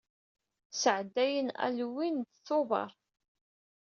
Sɛeddayen Halloween de Tubeṛ.